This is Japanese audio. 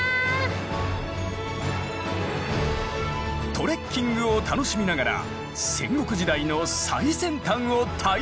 トレッキングを楽しみながら戦国時代の最先端を体感。